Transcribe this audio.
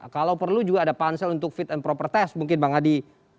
kalau perlu juga ada pansel untuk fit and proper test mungkin bang adi